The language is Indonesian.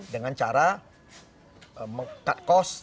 dengan cara menghentikan kos